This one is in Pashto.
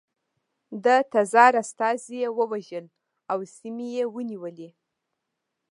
د تزار استازي یې ووژل او سیمې یې ونیولې.